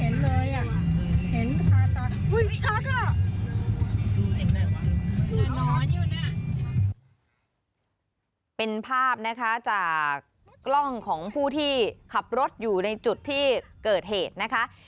เป็นภาพนะคะจากกล้องของผู้ที่ขับรถอยู่ในจุดที่เกิดเหตุนะคะ